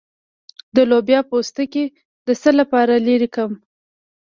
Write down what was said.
د لوبیا پوستکی د څه لپاره لرې کړم؟